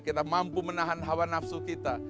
kita mampu menahan hawa nafsu kita